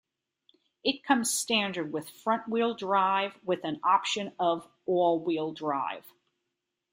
It comes standard with front-wheel drive with an option of all-wheel drive.